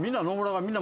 みんな。